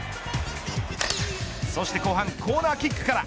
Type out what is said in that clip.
そして後半コーナーキックから。